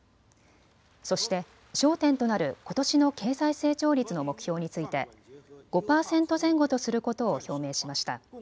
そして焦点となることしの経済成長率の目標について５％前後とすることを表明しました。